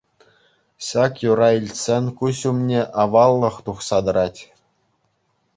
Ҫак юрра илтсен куҫ умне аваллӑх тухса тӑрать.